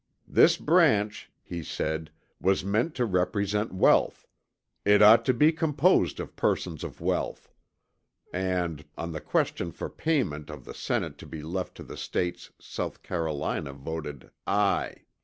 "This branch" he said "was meant to represent wealth; it ought to be composed of persons of wealth." And "on the question for payment of the Senate to be left to the States" South Carolina voted "aye."